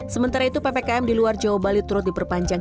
sementara itu ppkm di luar jawa bali turut diperpanjang